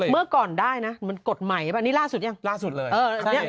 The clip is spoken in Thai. เมื่อก่อนได้นะมันนี่นี้ร่าสุตรร่อยัง